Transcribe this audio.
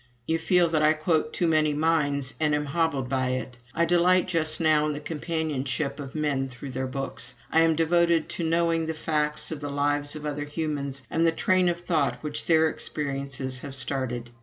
You feel that I quote too many minds and am hobbled by it. I delight just now in the companionship of men through their books. I am devoted to knowing the facts of the lives of other humans and the train of thought which their experiences have started.